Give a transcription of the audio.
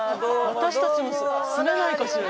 私たちも住めないかしら。